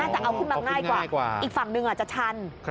จะเอาขึ้นมาง่ายกว่าอีกฝั่งหนึ่งอาจจะชัน